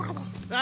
あ。